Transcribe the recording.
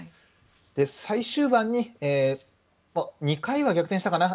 最終盤に、２回は逆転したかな。